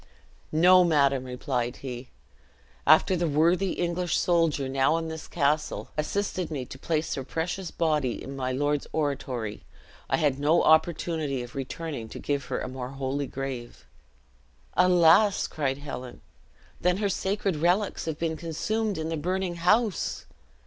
"No, madam," replied he; "after the worthy English soldier now in this castle, assisted me to place her precious body in my lord's oratory, I had no opportunity of returning to give her a more holy grave." "Alas!" cried Helen; "then her sacred relics have been consumed in the burning house!"